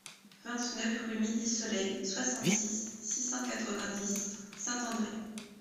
vingt-neuf rue Midi-Soleil, soixante-six, six cent quatre-vingt-dix, Saint-André